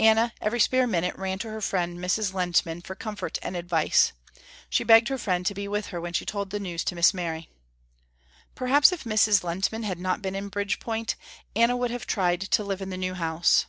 Anna every spare minute ran to her friend Mrs. Lehntman for comfort and advice. She begged her friend to be with her when she told the news to Miss Mary. Perhaps if Mrs. Lehntman had not been in Bridgepoint, Anna would have tried to live in the new house.